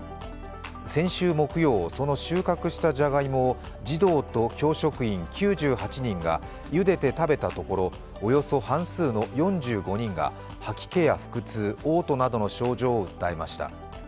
先週木曜、その収穫したじゃがいもを児童と教職員９８人が茹でて食べたところ、およそ半数の４５人が吐き気や腹痛、おう吐などの症状を訴えました。